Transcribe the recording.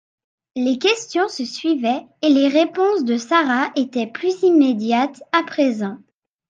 Les questions se suivaient, et les réponses de Sara étaient plus immédiates à présent.